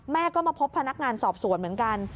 แม่ก็มาพบพนักงานสอบสวนเหมือนกัน